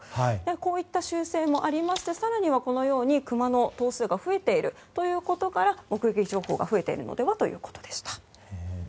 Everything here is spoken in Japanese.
こういった習性もありまして更にはクマの頭数が増えているということから目撃情報が増えているのではということでした。